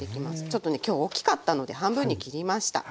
ちょっとね今日大きかったので半分に切りました。